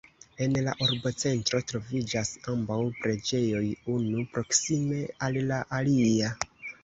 En la urbocentro troviĝas ambaŭ preĝejoj, unu proksime al la alia.